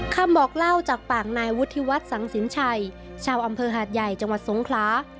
คำบอกเล่าจากปากนายวุฒิวัฒน์สังสินชัยชาวอำเภอหาดใหญ่จังหวัดสงคลา